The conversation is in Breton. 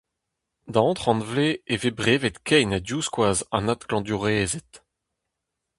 Da hanter-kant vloaz e vez brevet kein ha divskoaz an adklañvdiourezed.